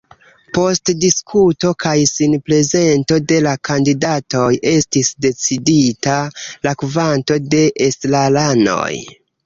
Post diskuto kaj sinprezento de la kandidatoj estis decidita la kvanto de estraranoj.